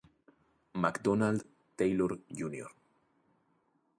MacDonald Taylor Jr.